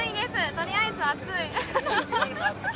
とりあえず暑い。